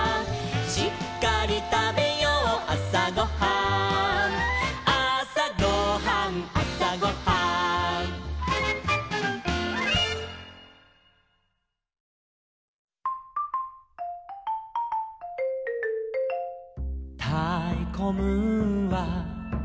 「しっかりたべようあさごはん」「あさごはんあさごはん」「たいこムーンは」